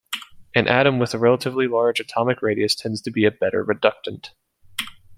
An atom with a relatively large atomic radius tends to be a better reductant.